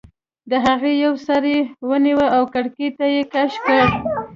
د هغې یو سر یې ونیو او کړکۍ ته یې کش کړ